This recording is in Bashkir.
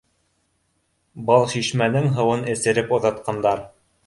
Балшишмәнең һыуын эсереп оҙатҡандар